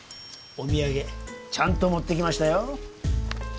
お土産ちゃんと持ってきましたよ。